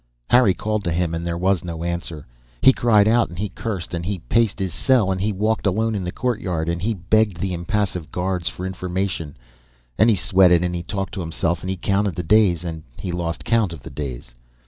Harry called to him and there was no answer. And he cried out and he cursed and he paced his cell and he walked alone in the courtyard and he begged the impassive guards for information, and he sweated and he talked to himself and he counted the days and he lost count of the days.